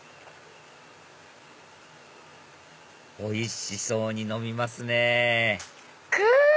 おいしそうに飲みますねくぅ！